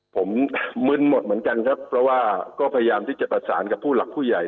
ผมมึนหมดเหมือนกันครับเพราะว่าก็พยายามที่จะประสานกับผู้หลักผู้ใหญ่